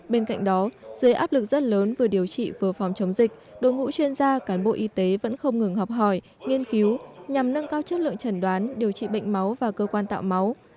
bên cạnh đó dưới áp lực rất lớn vừa điều trị vừa phòng chống dịch đội ngũ chuyên gia cán bộ y tế vẫn không ngừng học hỏi nghiên cứu nhằm nâng cao chất lượng trần đoán điều trị bệnh máu và cơ quan tạo máu